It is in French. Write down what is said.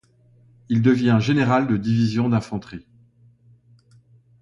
Il devient général de division d'infanterie.